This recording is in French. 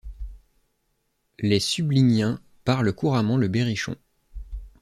Les Subligniens parlent couramment le Berrichon.